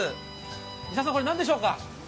石田さん、これは何でしょうか？